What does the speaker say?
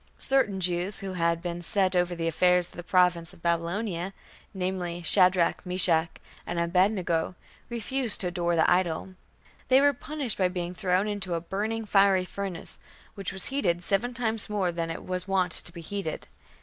Certain Jews who had been "set over the affairs of the province of Babylonia", namely, "Shadrach, Meshach, and Abed nego", refused to adore the idol. They were punished by being thrown into "a burning fiery furnace", which was heated "seven times more than it was wont to be heated".